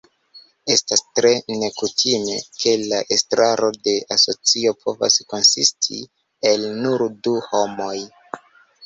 Estas tre nekutime, ke la estraro de asocio povas konsisti el nur du homoj.